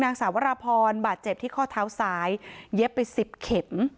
นางสาวราพรบาดเจ็บที่ข้อเท้าซ้ายเย็บไป๑๐เข็ม